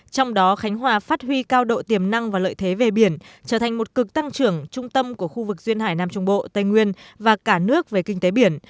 trong đó khánh hòa phát huy cao độ tiềm năng và lợi thế về biển trở thành một cực tăng trưởng trung tâm của khu vực duyên hải nam trung bộ tây nguyên và cả nước về kinh tế biển